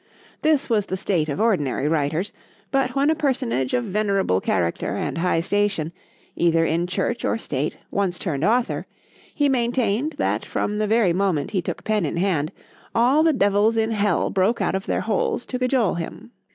—This was the state of ordinary writers: but when a personage of venerable character and high station, either in church or state, once turned author,—he maintained, that from the very moment he took pen in hand—all the devils in hell broke out of their holes to cajole him.